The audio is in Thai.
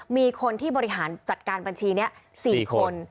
มีคนที่บริหารจัดการบัญชีนี้๔คน